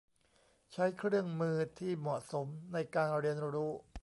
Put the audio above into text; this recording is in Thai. ใช้เครื่องมือที่เหมาะสมในการเรียนรู้